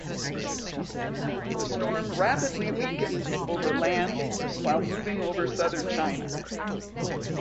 The storm rapidly weakened over land while moving over southern China.